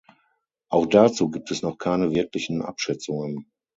Auch dazu gibt es noch keine wirklichen Abschätzungen.